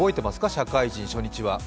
社会人初日は？